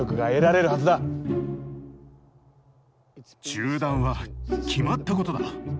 中断は決まったことだ。